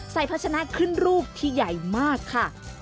พัชนะขึ้นรูปที่ใหญ่มากค่ะ